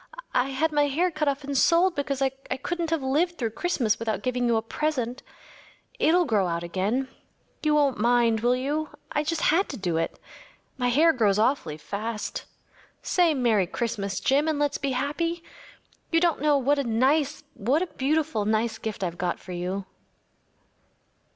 I had my hair cut off and sold because I couldn’t have lived through Christmas without giving you a present. It’ll grow out again‚ÄĒyou won’t mind, will you? I just had to do it. My hair grows awfully fast. Say ‚ÄėMerry Christmas!’ Jim, and let’s be happy. You don’t know what a nice‚ÄĒwhat a beautiful, nice gift I’ve got for you.